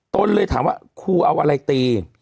ต้นเลยถามว่าคู่เอาอะไรอุ่น